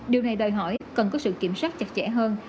điều này đòi hỏi cần có sự kiểm soát chặt chẽ hơn